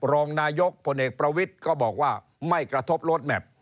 รองนายกพลเอกประวิทย์ก็บอกว่าไม่กระทบรถแมพ